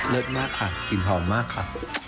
เลิศมากค่ะหิ้นหอมมากค่ะ